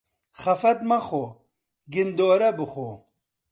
خەفەت مەخۆ، گندۆره بخۆ.